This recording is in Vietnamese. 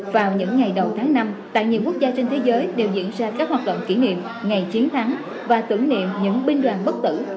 vào những ngày đầu tháng năm tại nhiều quốc gia trên thế giới đều diễn ra các hoạt động kỷ niệm ngày chiến thắng và tưởng niệm những binh đoàn bất tử